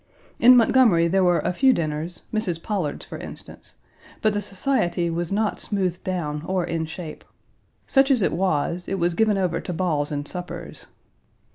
In Montgomery, there were a few dinners Mrs. Pollard's, for instance, but the society was not smoothed down or in shape. Such as it was it was given over to balls and suppers.